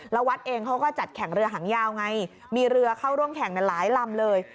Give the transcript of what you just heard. แล้ววัดเองเขาก็จัดแข่งเรือหางยาวไงมีเรือเข้าร่วมแข่งในหลายลำเลย